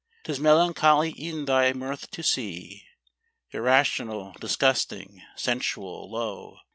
'Tis melancholy e'en thy mirth to see, Irrational, disgusting, sensual, low.